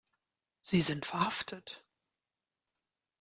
Sie sind verhaftet.